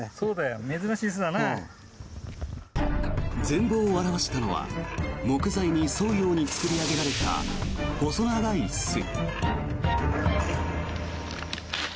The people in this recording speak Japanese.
全ぼうを現したのは木材に沿うように作り上げられた細長い巣。